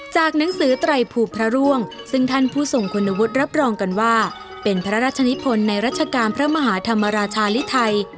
หนังสือไตรภูพระร่วงซึ่งท่านผู้ทรงคุณวุฒิรับรองกันว่าเป็นพระราชนิพลในรัชกาลพระมหาธรรมราชาลิไทย